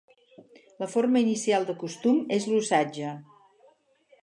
La forma inicial de Costum és l'Usatge.